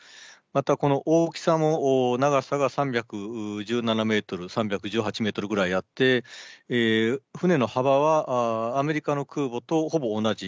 またこの大きさも、長さが３１７メートル、３１８メートルぐらいあって、船の幅はアメリカの空母とほぼ同じ。